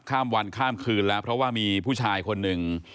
ข้ามวันข้ามคืนแล้วเพราะว่ามีผู้ชายคนหนึ่ง